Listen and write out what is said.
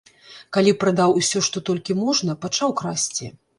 Калі прадаў усё, што толькі можна, пачаў красці.